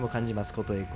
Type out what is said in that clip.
琴恵光。